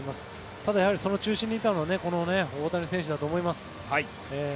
ただ、やっぱりその中心にいたのはこの大谷選手だと思います。